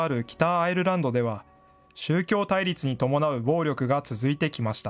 アイルランドでは、宗教対立に伴う暴力が続いてきました。